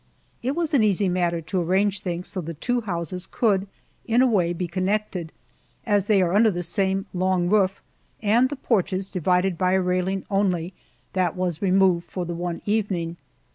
It was an easy matter to arrange things so the two houses could, in a way, be connected, as they are under the same long roof, and the porches divided by a railing only, that was removed for the one evening.